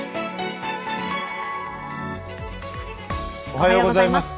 おはようございます。